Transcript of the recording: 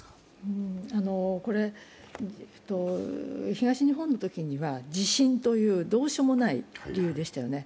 東日本のときには地震というどうしようもない理由でしたよね。